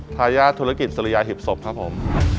ทายาทธุรกิจสุริยาหีบศพครับผม